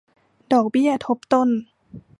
ดอกเบี้ยทบต้น